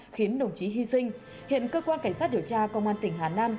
khiến đồng chí hy sinh hiện cơ quan cảnh sát điều tra công an tỉnh hà nam